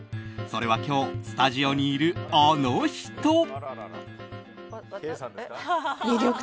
それは、今日スタジオにいるあの人。